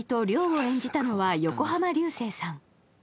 亮を演じたのは横浜流星さん。